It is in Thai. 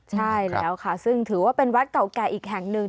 ใช่แล้วค่ะซึ่งถือว่าเป็นวัดเก่าแก่อีกแห่งหนึ่ง